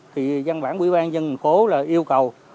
thì văn bản quỹ ban dân thành phố là yêu cầu